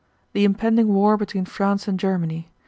The impending war between France and Germany.